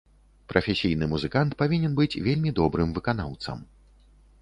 Прафесійны музыкант павінен быць вельмі добрым выканаўцам.